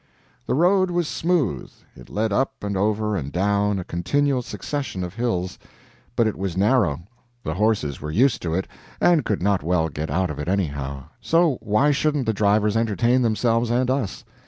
The road was smooth; it led up and over and down a continual succession of hills; but it was narrow, the horses were used to it, and could not well get out of it anyhow; so why shouldn't the drivers entertain themselves and us?